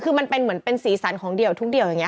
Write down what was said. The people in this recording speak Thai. คือมันเป็นเหมือนเป็นศีลสรรค์ของเดี่ยวทุกวันอย่างนี้ค่ะ